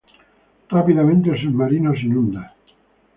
Rápidamente el submarino se inunda.